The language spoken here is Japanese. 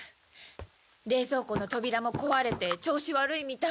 冷蔵庫の扉も壊れて調子悪いみたいだし。